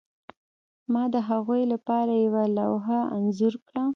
ما د هغوی لپاره یوه لوحه انځور کړه